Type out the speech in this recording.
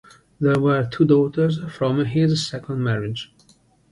There were two daughters from his second marriage.